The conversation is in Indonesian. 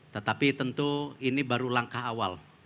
tetapi tentu ini baru langkah awal